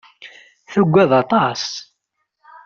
Tugad aṭas.